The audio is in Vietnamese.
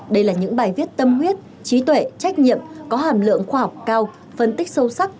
đây là những bài viết tâm huyết trí tuệ trách nhiệm có hàm lượng khoa học cao phân tích sâu sắc